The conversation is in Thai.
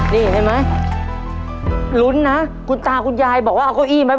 นี่เห็นไหมลุ้นนะคุณตาคุณยายบอกว่าเอาเก้าอี้ไหม